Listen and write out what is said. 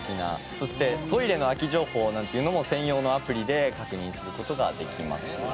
「そしてトイレの空き情報なんていうのも専用のアプリで確認する事ができます」